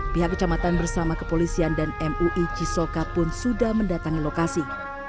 pihak kecamatan bersama kepolisian dan mui cisoka pun sudah mendatangi lokasi